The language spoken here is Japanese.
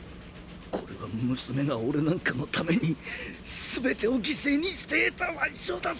これは娘が俺なんかのためにすべてを犠牲にして得た腕章だぞ！！